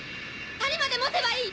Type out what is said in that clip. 谷までもてばいい！